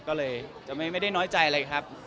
ก็เลยไม่ได้น้อยใจเลยครับ